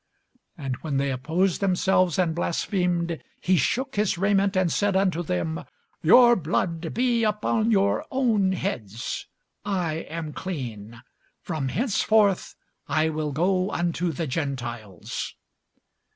And when they opposed themselves, and blasphemed, he shook his raiment, and said unto them, Your blood be upon your own heads; I am clean: from henceforth I will go unto the Gentiles.